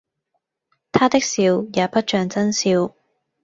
他的笑也不像眞笑。